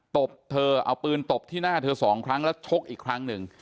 ตบเธอเอาปืนตบที่หน้าเธอสองครั้งแล้วชกอีกครั้งหนึ่ง